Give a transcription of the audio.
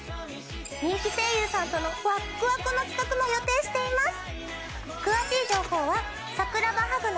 人気声優さんとのワックワクの企画も予定しています！